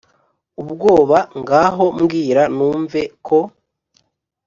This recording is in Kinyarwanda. ubwoba, ngaho bwira numve ko